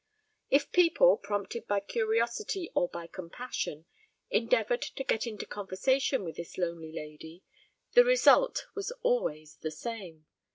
If people, prompted by curiosity or by compassion, endeavoured to get into conversation with this lonely lady, the result was always the same.